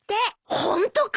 ホントか！？